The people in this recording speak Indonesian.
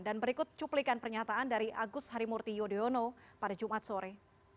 dan berikut cuplikan pernyataan dari agus harimurti yudhoyono pada jumat sore